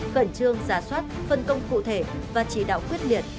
khẩn trương giả soát phân công cụ thể và chỉ đạo quyết liệt